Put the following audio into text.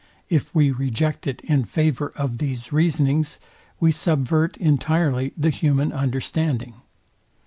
If we reject it in favour of these reasonings, we subvert entirely the human understanding.